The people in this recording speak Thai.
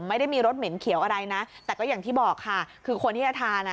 ไม่ได้มีรสเหม็นเขียวอะไรนะแต่ก็อย่างที่บอกค่ะคือคนที่จะทานอ่ะ